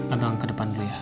abang ke depan bu ya